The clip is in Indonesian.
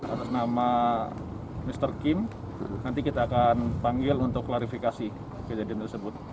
atas nama mr kim nanti kita akan panggil untuk klarifikasi kejadian tersebut